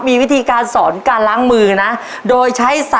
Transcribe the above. มีวิธีการสอนการล้างมือนะ